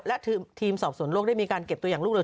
และทีมสอบสวนโลกได้มีการเก็บตัวอย่างลูกเลย